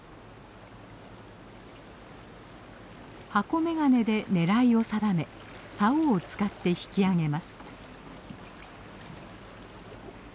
箱眼鏡で狙いを定めさおを使って引き上げます。